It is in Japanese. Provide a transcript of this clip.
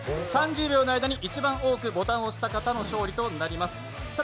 ３０秒の間に一番多くボタンを押した方の勝利となります。